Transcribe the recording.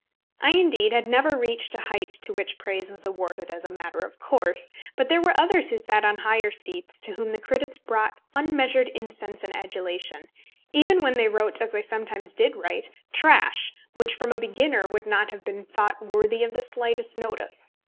I indeed had never reached a height to which praise was awarded as a matter of course; but there were others who sat on higher seats to whom the critics brought unmeasured incense and adulation, even when they wrote, as they sometimes did write, trash which from a beginner would not have been thought worthy of the slightest notice.